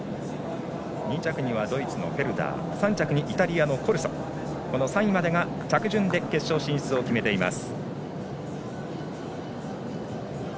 ２着にはドイツのフェルダー３着にイタリアのコルソ３位までが着順で決勝進出を決めています。